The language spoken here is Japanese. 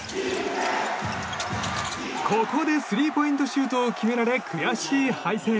ここでスリーポイントシュートを決められ悔しい敗戦。